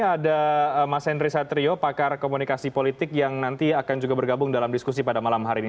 ada mas henry satrio pakar komunikasi politik yang nanti akan juga bergabung dalam diskusi pada malam hari ini